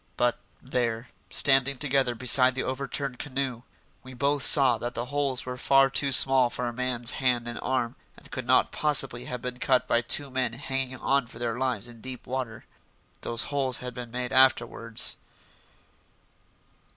But, there, standing together beside the over turned canoe, we both saw that the holes were far too small for a man's hand and arm and could not possibly have been cut by two men hanging on for their lives in deep water. Those holes had been made afterwards.